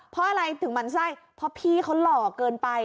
เพราะอะไรถึงหมั่นไส้เพราะพี่เขาหล่อเกินไป